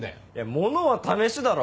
物は試しだろ。